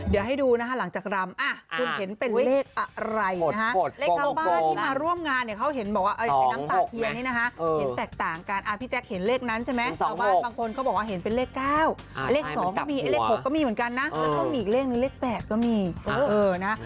เดี๋ยวให้ดูนะคะหลังจากรำ